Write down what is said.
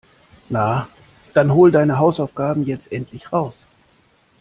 Na, dann hol deine Hausaufgaben jetzt endlich raus.